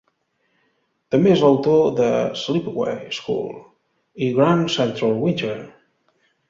També és l'autor de "Sleepaway School" i "Grand Central Winter".